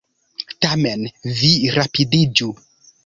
Tamen, vi rapidiĝu!